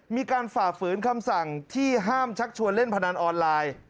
ฝ่าฝืนคำสั่งที่ห้ามชักชวนเล่นพนันออนไลน์